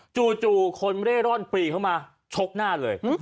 จู่คนเร่ร่อนปรีเข้ามาชกหน้าเลย